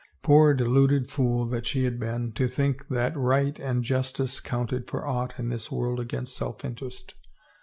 Poor deluded fool that she had been to think that right and justice counted for aught in this world against self interest!